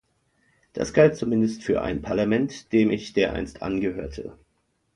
Das galt zumindest für ein Parlament, dem ich dereinst angehörte.